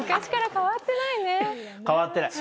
変わってない。